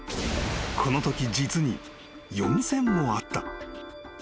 このとき実に４，０００もあった］